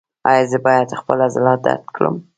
ایا زه باید خپل عضلات درد کړم؟